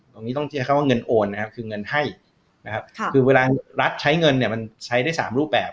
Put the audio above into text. ตรงนี้ต้องใช้คำว่าเงินโอนนะครับคือเงินให้นะครับคือเวลารัฐใช้เงินเนี่ยมันใช้ได้๓รูปแบบ